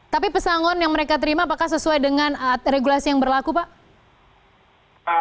tapi pesangon yang mereka terima apakah sesuai dengan regulasi yang berlaku pak